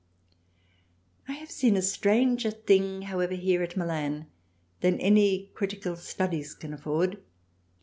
I have seen a stranger Thing however here at Milan than any critical Studies can afford.